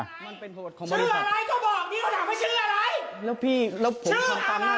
ชื่ออะไรก็บอกนี่เขาถามว่าชื่ออะไร